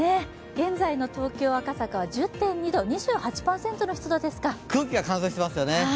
現在の東京・赤坂は１０．２度、空気が乾燥してますよね。